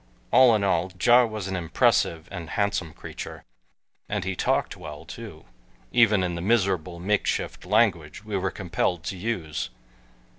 All in all, Ja was an impressive and handsome creature, and he talked well too, even in the miserable makeshift language we were compelled to use.